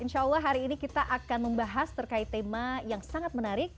insya allah hari ini kita akan membahas terkait tema yang sangat menarik